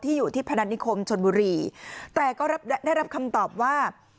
อยู่ที่พนันนิคมชนบุรีแต่ก็ได้รับคำตอบว่า